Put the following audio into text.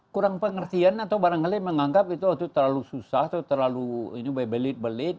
kurang pengertian atau barangkali menganggap itu terlalu susah atau terlalu ini berbelit belit